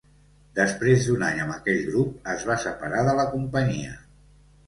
Després d'un any amb aquell grup es va separar de la companyia.